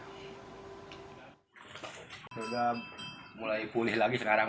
sudah mulai pulih lagi sekarang